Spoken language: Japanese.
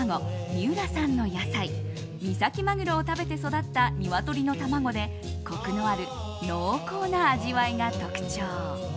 三浦産の野菜、三崎マグロを食べて育った鶏の卵でコクのある濃厚な味わいが特徴。